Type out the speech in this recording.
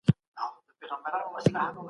د خلګو القاب به درانه وي.